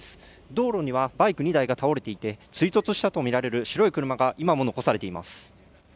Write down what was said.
道路にはバイク２台が倒れていて追突したとみられる白い車が今も残されています。